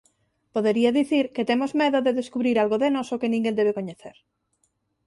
Podería dicir que temos medo de descubrir algo de noso que ninguén debe coñecer.